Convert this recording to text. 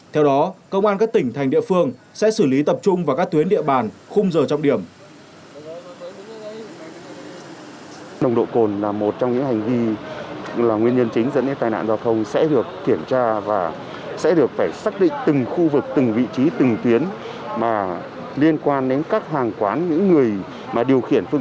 theo đó công an các tỉnh thành địa phương sẽ xử lý tập trung vào các tuyến địa bàn khung giờ trong điểm